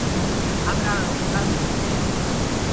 Abrahao Darub Neto